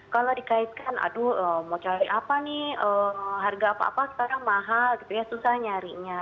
kalau dikaitkan aduh mau cari apa nih harga apa apa sekarang mahal gitu ya susah nyarinya